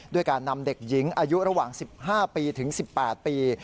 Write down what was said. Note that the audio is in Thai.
ด้วยการนำเด็กหญิงอายุระหว่าง๑๕ปีถึง๑๘ปี